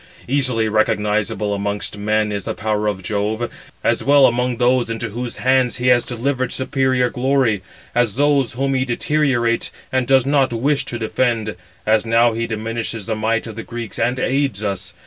Easily recognizable amongst men is the power of Jove, as well among those into whose hands he has delivered superior glory, as those whom he deteriorates, and does not wish to defend. As now he diminishes the might of the Greeks, and aids us.